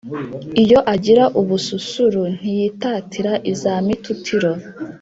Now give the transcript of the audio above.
iyo agira ubususuru, ntiyitatire iza mitutiro,